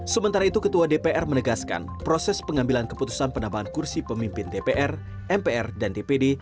sementara itu ketua dpr menegaskan proses pengambilan keputusan penambahan kursi pemimpin dpr mpr dan dpd